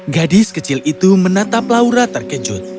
gadis kecil itu menatap laura terkejut